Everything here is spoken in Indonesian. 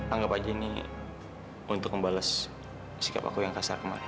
anggap aja ini untuk membalas sikap aku yang kasar